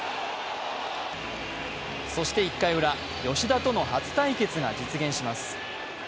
そして１回ウラ、吉田との初対決が実現します。